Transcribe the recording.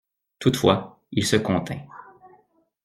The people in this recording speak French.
Toutefois il se contint.